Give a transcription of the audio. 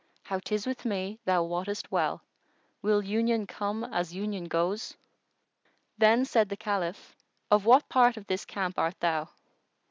How 'tis with me thou wottest well * Will union come as union goes?" Then said the Caliph, "Of what part of this camp art thou?"